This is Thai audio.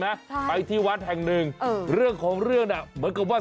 นะใช่ไปที่วัดแห่งหนึ่งเออเรื่องของเรื่องน่ะเหมือนกับว่า